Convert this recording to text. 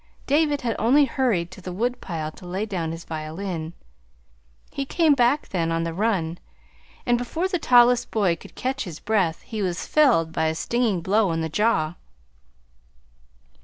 David had only hurried to the woodpile to lay down his violin. He came back then, on the run and before the tallest boy could catch his breath he was felled by a stinging blow on the jaw.